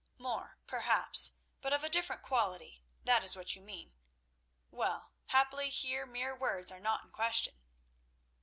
"More perhaps, but of a different quality—that is what you mean. Well, happily here mere words are not in question."